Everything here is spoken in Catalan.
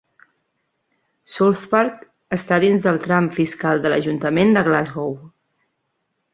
Southpark està dins del tram fiscal de l'Ajuntament de Glasgow.